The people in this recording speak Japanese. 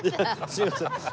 すいません。